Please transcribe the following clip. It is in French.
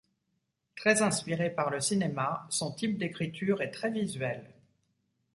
Très inspiré par le cinéma, son type d'écriture est très visuel.